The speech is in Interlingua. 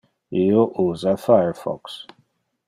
Io usa Firefox.